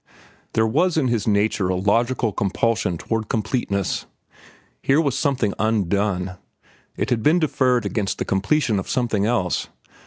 There was in his nature a logical compulsion toward completeness. Here was something undone. It had been deferred against the completion of something else.